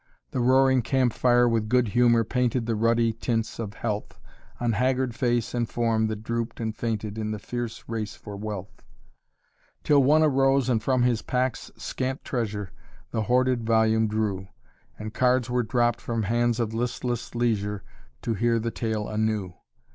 The roaring campfire with good humor painted The ruddy tints of health On haggard face and form that drooped and fainted In the fierce race for wealth. Till one arose and from his pack's scant treasure The hoarded volume drew, And cards were dropped from hands of listless leisure To hear the tale anew.